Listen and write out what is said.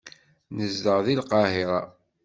Nezdeɣ deg Lqahira.